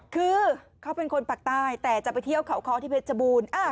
คือเขาเป็นคนปากใต้แต่จะไปเที่ยวเขาคอที่เพชรบูรณ์